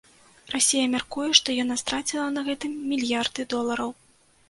Расія мяркуе, што яна страціла на гэтым мільярды долараў.